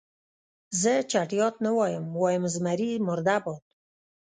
زه چټیات نه وایم، وایم زمري مرده باد.